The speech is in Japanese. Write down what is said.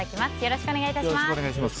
よろしくお願いします。